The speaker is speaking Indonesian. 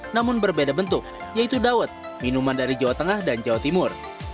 namun berbeda bentuk yaitu dawet minuman dari jawa tengah dan jawa timur